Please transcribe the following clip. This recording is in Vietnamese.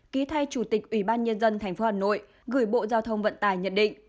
ký thay chủ tịch ubnd tp hà nội gửi bộ giao thông vận tải nhận định